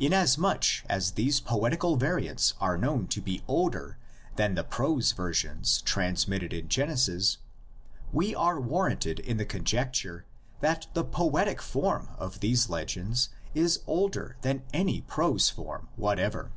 Inasmuch as these poetical variants are known to be older than the prose versions transmitted in Genesis, we are warranted in the conjecture that the poetic form of these legends is older than any prose form whatever.